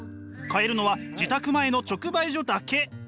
買えるのは自宅前の直売所だけ。